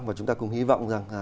và chúng ta cũng hy vọng rằng